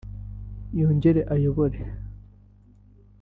yongere abayobore